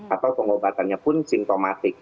atau pengobatannya pun sintomatik